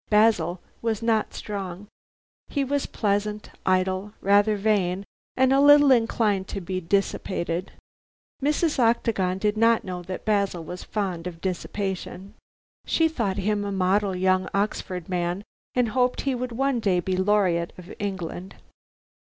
Basil was not strong. He was pleasant, idle, rather vain, and a little inclined to be dissipated. Mrs. Octagon did not know that Basil was fond of dissipation. She thought him a model young Oxford man, and hoped he would one day be Laureate of England.